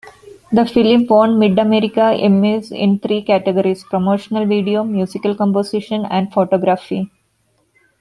The film won Mid-America Emmys in three categories: Promotional Video, Musical Composition, and Photography.